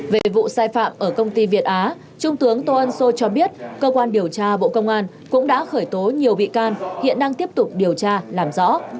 về vụ sai phạm ở công ty việt á trung tướng tô ân sô cho biết cơ quan điều tra bộ công an cũng đã khởi tố nhiều bị can hiện đang tiếp tục điều tra làm rõ